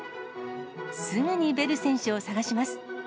すぐにベル選手を探します。